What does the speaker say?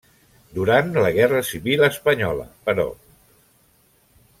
Durant la guerra civil espanyola, però.